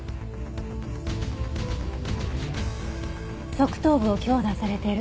側頭部を強打されてる。